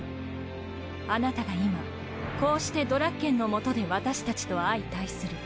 あなたが今こうしてドラッケンの下で私たちと相対する。